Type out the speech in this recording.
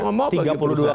momok bagi perusahaan